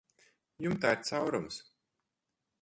Jumtā ir caurums.